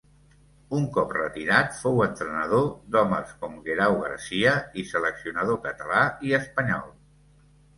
Un cop retirat fou entrenador d'homes com Guerau Garcia i seleccionador català i espanyol.